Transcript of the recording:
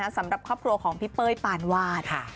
สำหรับครอบครัวของพี่เป้ยปานวาด